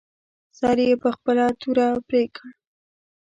سر یې په خپله توره پرې کړ.